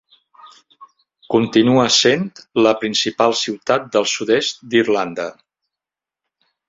Continua sent la principal ciutat del sud-est d'Irlanda.